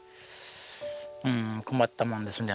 困ったもんですね